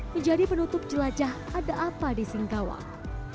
menjadi penutup jelajah ada apa di singkawang